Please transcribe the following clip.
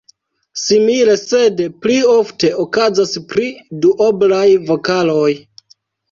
Simile, sed pli ofte, okazas pri duoblaj vokaloj.